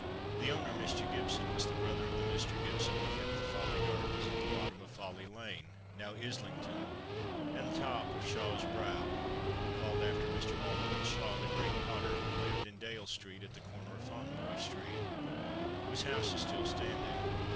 The owner, Mr. Gibson, was the brother of the Mr. Gibson who kept the Folly Gardens at the bottom of Folly lane (now Islington) and top of Shaw's Brow (called after Mr. Alderman Shaw, the great potter, who lived in Dale street, at the corner of Fontenoy street whose house is still standing).